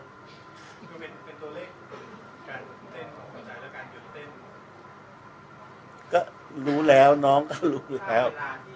ก็เป็นตัวเลขรู้แล้วน้องก็รู้แล้ว